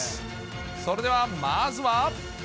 それではまずは。